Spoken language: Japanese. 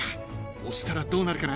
押したらどうなるかな。